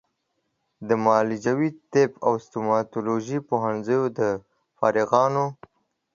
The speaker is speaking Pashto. د معالجوي طب او ستوماتولوژي پوهنځیو د فارغانو